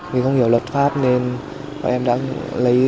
vì không hiểu luật pháp nên bọn em đã lấy